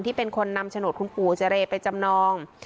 เป็นคนนำโฉนดคุณปู่เจรไปจำนอง